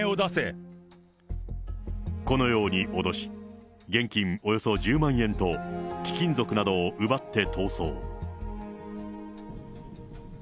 このように脅し、現金およそ１０万円と貴金属などを奪って逃走。